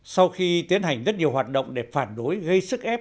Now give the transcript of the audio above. sau khi tiến hành rất nhiều hoạt động để phản đối gây sức ép